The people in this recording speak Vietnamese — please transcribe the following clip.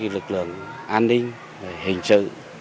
lực lượng an ninh hình sự